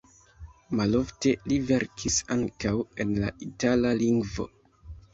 Malofte li verkis ankaŭ en la itala lingvo.